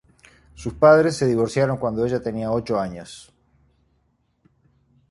Sus padres se divorciaron cuando ella tenía ocho años.